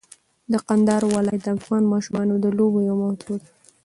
د کندهار ولایت د افغان ماشومانو د لوبو یوه موضوع ده.